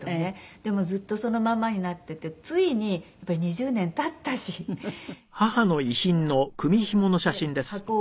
でもずっとそのままになっててついにやっぱり２０年経ったしなんとかしようって思って箱を。